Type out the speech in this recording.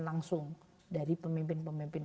langsung dari pemimpin pemimpin